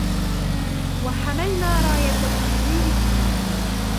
و حملنا راية التحرير فكرة